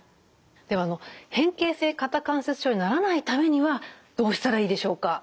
では変形性肩関節症にならないためにはどうしたらいいでしょうか？